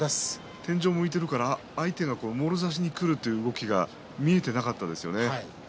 天井を向いてますから相手がもろ差しにくるという動きが見えていませんでしたね。